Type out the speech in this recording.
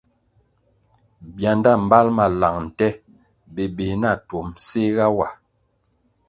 Bianda mbal ma lang nte bébéh na tuom séhga wa.